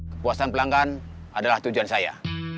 kepuasan pelanggan adalah tujuan saya